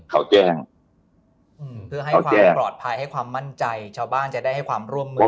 เขาแจ้งเพื่อให้ความปลอดภัยให้ความมั่นใจชาวบ้านจะได้ให้ความร่วมมือ